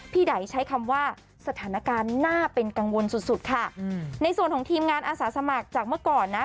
ใดใช้คำว่าสถานการณ์น่าเป็นกังวลสุดสุดค่ะอืมในส่วนของทีมงานอาสาสมัครจากเมื่อก่อนนะ